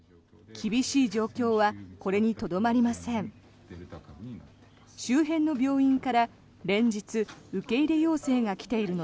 厳しい状況はこれにとどまりません。